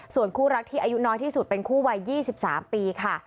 ส่วนคู่รักที่อายุน้อยที่สุดเป็นคู่วัย๒๓ปีค่ะ